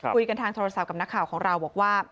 ทางโทรศัพท์กับนักข่าวของเราบอกว่า